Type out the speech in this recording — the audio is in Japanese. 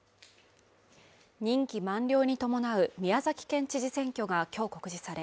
任期満了に伴う宮崎県知事選挙がきょう告示され